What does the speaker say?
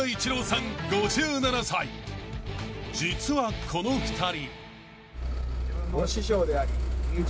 ［実はこの２人］